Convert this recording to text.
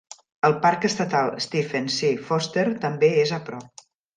El Parc Estatal Stephen C. Foster també és a prop.